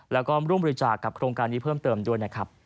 แล้วก็ร่วมบริจาคกับโครงการนี้เพิ่มเติมด้วยนะครับ